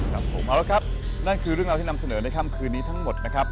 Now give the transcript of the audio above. ครับผมเอาละครับนั่นคือเรื่องราวที่นำเสนอในค่ำคืนนี้ทั้งหมดนะครับ